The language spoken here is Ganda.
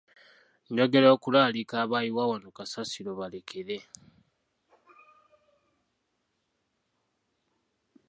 Njogera okulaalika abayiwa wano kasasiro balekere.